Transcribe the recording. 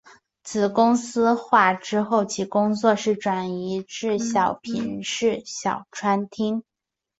子公司化之后其工作室转移至小平市小川町。